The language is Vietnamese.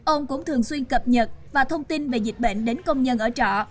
ông cũng thường xuyên cập nhật và thông tin về dịch bệnh đến công nhân ở trọ